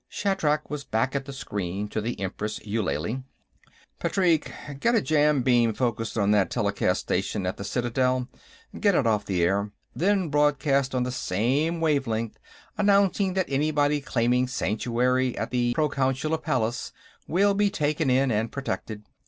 Shatrak was back at the screen to the Empress Eulalie. "Patrique, get a jam beam focussed on that telecast station at the Citadel; get it off the air. Then broadcast on the same wavelength; announce that anybody claiming sanctuary at the Proconsular Palace will be taken in and protected.